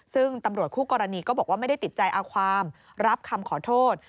ซึ่งตำรวจคู่กรณีก็บอกว่าไม่ได้ติดใจเอาความรับคำขอโทษ